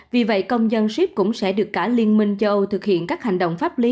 vì vậy công dân ship cũng sẽ được cả liên minh châu âu thực hiện các hành động pháp lý